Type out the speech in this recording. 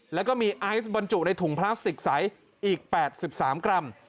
แล้วก็มีไอซ์บรรจุในถุงพลาสติกใสอีก๘๓กรัม